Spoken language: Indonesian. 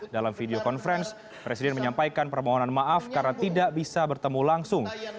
dalam video conference presiden menyampaikan permohonan maaf karena tidak bisa bertemu langsung